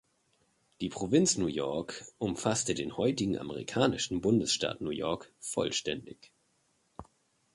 Die Provinz New York umfasste den heutigen amerikanischen Bundesstaat New York vollständig.